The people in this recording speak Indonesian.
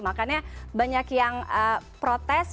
makanya banyak yang protes